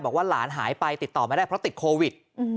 บอกว่าหลานหายไปติดต่อไม่ได้เพราะติดโควิด